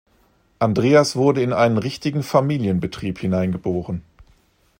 Andreas wurde in einen richtigen Familienbetrieb hineingeboren.